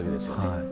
はい。